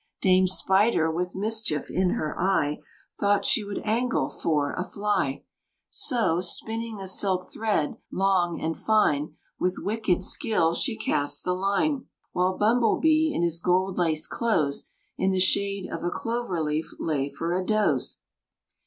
Dame Spider, with mischief in her eye, Thought she would angle for a fly; So, spinning a silk thread, long and fine, With wicked skill she cast the line; While Bumble Bee, in his gold laced clothes, In the shade of a clover leaf lay for a doze.